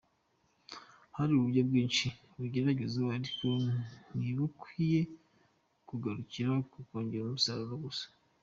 Hari uburyo bwinshi bugeragezwa, ariko ntibukwiye kugarukira ku kongera umusaruro gusa.